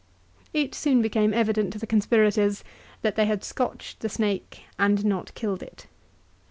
2 It soon became evident to the conspirators that they had scotched the snake and not killed it.